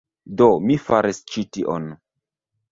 Do, mi faris ĉi tion